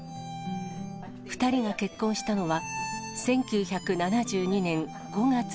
２人が結婚したのは、１９７２年５月１５日。